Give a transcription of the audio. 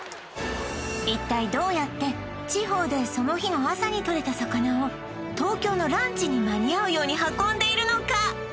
一体どうやって地方でその日の朝に獲れた魚を東京のランチに間に合うように運んでいるのか？